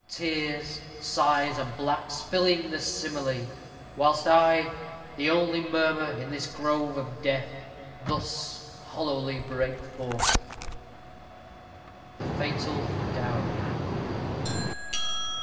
Tears, sighs, and blacks, filling the simile! Whilst I, the only murmur in this grove Of death, thus hollowly break forth. _The Fatal Dowry.